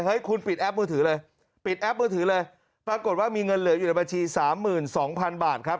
คุณปิดแอปมือถือเลยปิดแอปมือถือเลยปรากฏว่ามีเงินเหลืออยู่ในบัญชี๓๒๐๐๐บาทครับ